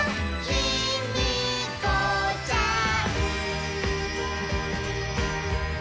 ヒミコちゃん！